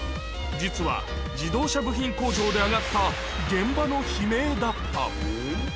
実は、自動車部品工場で上がった、現場の悲鳴だった。